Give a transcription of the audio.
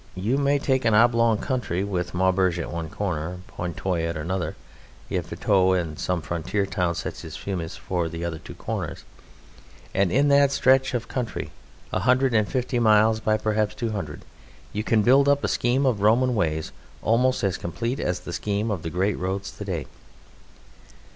You may take an oblong of country with Maubeuge at one corner, Pontoise at another, Yvetot and some frontier town such as Fumes for the other two corners, and in that stretch of country a hundred and fifty miles by perhaps two hundred, you can build up a scheme of Roman ways almost as complete as the scheme of the great roads to day.